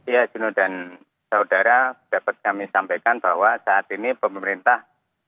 ya juno dan saudara dapat kami sampaikan bahwa saat ini pemerintah